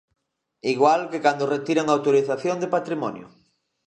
Igual que cando retiran a autorización de Patrimonio.